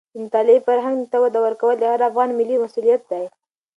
د مطالعې فرهنګ ته وده ورکول د هر افغان ملي مسوولیت دی.